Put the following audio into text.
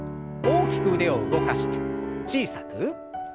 大きく腕を動かして小さく。